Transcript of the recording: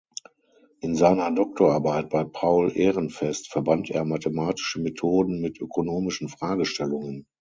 In seiner Doktorarbeit bei Paul Ehrenfest verband er mathematische Methoden mit ökonomischen Fragestellungen.